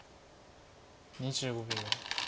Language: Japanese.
２５秒。